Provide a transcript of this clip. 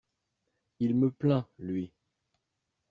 Il me plaint, lui!